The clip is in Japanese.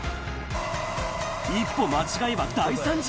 一歩間違えば大惨事。